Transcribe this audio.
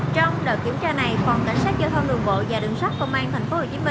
trong đợt kiểm tra này phòng cảnh sát giao thông đường bộ và đường sát công an tp hcm